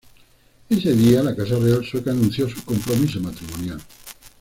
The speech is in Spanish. Ese día la casa real sueca anunció su compromiso matrimonial.